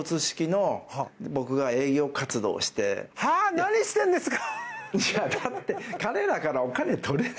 何してるんですか！